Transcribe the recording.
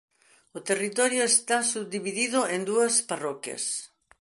O territorio está subdividido en dúas parroquias.